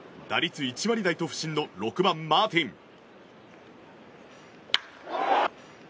打率１割台と不振の６番、マーティン。